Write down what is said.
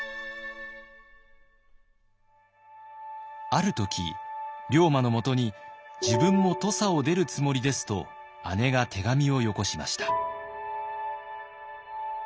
ある時龍馬のもとに「自分も土佐を出るつもりです」と姉が手紙をよこしました。